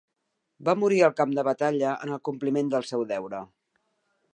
Va morir al camp de batalla en el compliment del seu deure.